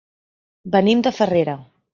Venim de Farrera.